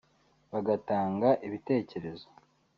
bagatanga ibitekerezo